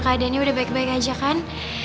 keadaannya udah baik baik aja kan